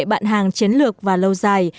bạn hàng chiến lược và lâu dài